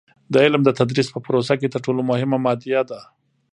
د علم د تدریس په پروسه کې تر ټولو مهمه مادیه ده.